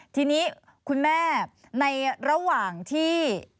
ทีนี้คุณแม่ในระหว่างที่